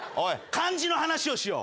漢字の話をしよう。